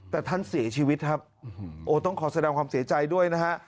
แต่ท่านเสียชีวิตครับโอ้ต้องขอแสดงความเสียใจด้วยนะฮะ